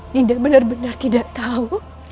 tidak benar benar tidak tahu